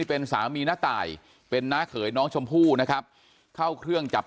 เป็นสามีน้าตายเป็นน้าเขยน้องชมพู่นะครับเข้าเครื่องจับ